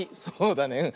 そうだね。